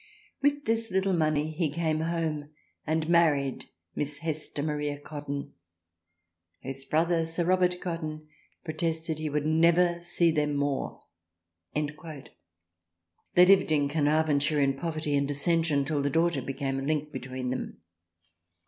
With this little money he came home and married Miss Hester Maria Cotton whose brother 1 8 THRALIANA Sir Robert Cotton protested he would never see them more." They lived in Carnarvonshire in poverty and dis sention till the daughter became a link between them.